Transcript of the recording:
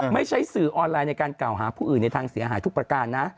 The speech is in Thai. ไม่ใช่สื่อออนไลน์ในการกล่าวหาผู้อื่นในทางเสียหายทุกประการนะ